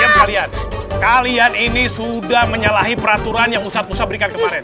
diam kalian kalian ini sudah menyalahi peraturan yang ustadz musa berikan kemarin